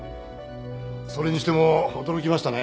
それにしても驚きましたね